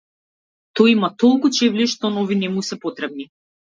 Тој има толку чевли што нови не му се потребни.